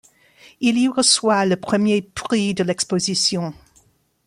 Il y reçoit le premier prix de l'exposition.